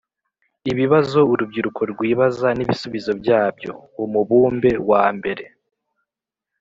Ibibazo urubyiruko rwibaza n'ibisubizo byabyo—Umubumbe wa mbere